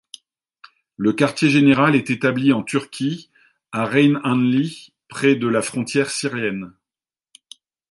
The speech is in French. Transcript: Un quartier-général est établi en Turquie à Reyhanlı, près de la frontière syrienne.